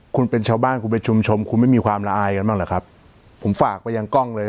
คุณเป็นชาวบ้านคุณเป็นชุมชนคุณไม่มีความละอายกันบ้างหรือครับผมฝากไปยังกล้องเลย